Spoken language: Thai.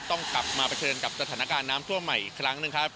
ต้องกลับมาเผชิญกับสถานการณ์น้ำท่วมใหม่อีกครั้งหนึ่งครับ